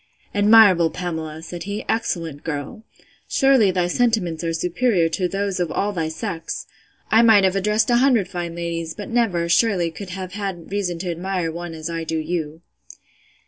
Admirable Pamela! said he; excellent girl!—Surely thy sentiments are superior to those of all thy sex!—I might have addressed a hundred fine ladies; but never, surely, could have had reason to admire one as I do you.